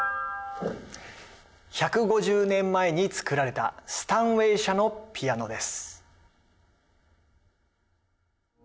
１５０年前に作られたスタインウェイ社のピアノです。